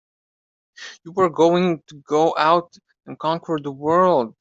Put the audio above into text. You were going to go out and conquer the world!